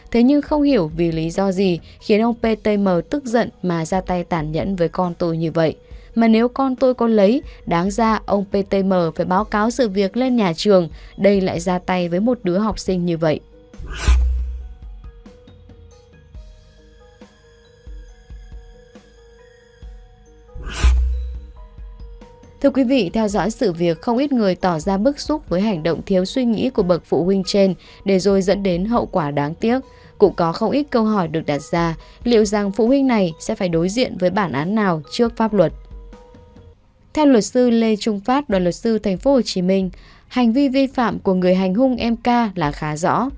theo luật sư lê trung phát đoàn luật sư tp hcm hành vi vi phạm của người hành hung mk là khá rõ